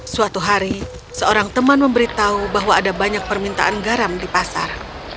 suatu hari seorang teman memberitahu bahwa ada banyak permintaan garam di pasar